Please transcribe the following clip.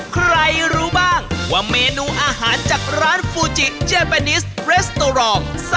ใครรู้บ้างว่าเมนูอาหารจากร้านฟูจิเจเปนิสเรสโตรอง